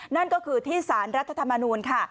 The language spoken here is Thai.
นั่นก็คือที่สารรัฐธรรมนูลค่ะ